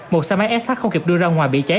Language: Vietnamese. một xe máy s sat không kịp đưa ra ngoài bị cháy